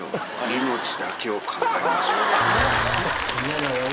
命だけを考えましょう。